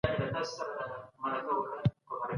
خپل پام پر درسونو باندي وساتئ.